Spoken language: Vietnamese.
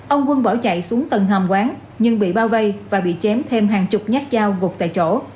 ông quân bỏ chạy xuống tầng hầm quán nhưng bị bao vây và bị chém thêm hàng chục nhát dao gục tại chỗ